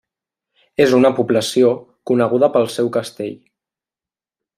És una població coneguda pel seu castell.